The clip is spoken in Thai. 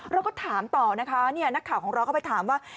เราก็ถามต่อนะคะนักข่าวของเราก็ไปถามว่า